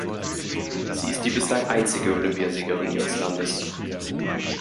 Sie ist die bislang einzige Olympiasiegerin ihres Landes.